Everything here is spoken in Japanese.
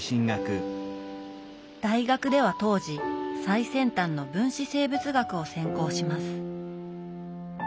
大学では当時最先端の分子生物学を専攻します。